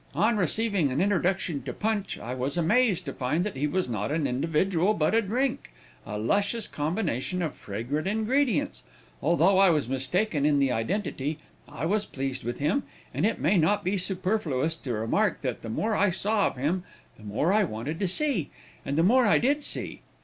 On receiving an introduction to Punch, I was amazed to find that he was not an individual but a drink a luscious combination of fragrant ingredients. Although I was mistaken in the identity, I was pleased with him, and it may not be superfluous to remark that the more I saw of him, the more I wanted to see, and the more I did see.